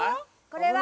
これは。